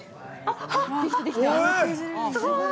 ◆すごーい。